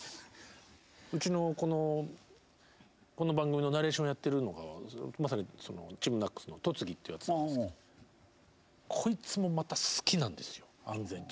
うちのこの番組のナレーションをやってるのがＴＥＡＭＮＡＣＳの戸次っていうやつなんですけどこいつもまた好きなんですよ安全地帯が。